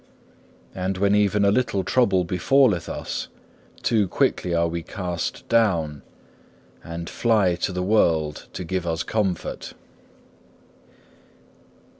And when even a little trouble befalleth us, too quickly are we cast down, and fly to the world to give us comfort.